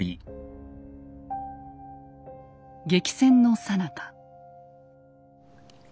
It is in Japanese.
激戦のさなか。